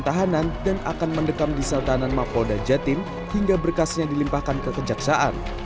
tahanan dan akan mendekam di sel tahanan mak polda jatim hingga berkasnya dilimpahkan kekejaksaan